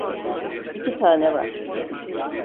İki tane var.